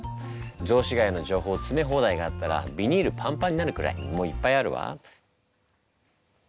雑司が谷の情報つめ放題があったらビニールパンパンになるくらいもういっぱいあるわ。